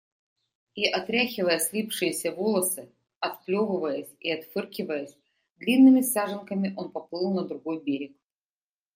И, отряхивая слипшиеся волосы, отплевываясь и отфыркиваясь, длинными саженками он поплыл на другой берег.